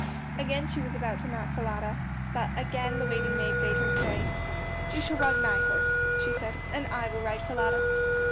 Again she was about to mount Falada, but again the waiting maid bade her stay; "You shall ride my horse," said she, "and I will ride Falada."